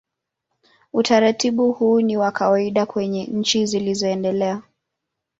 Utaratibu huu ni wa kawaida kwenye nchi zilizoendelea.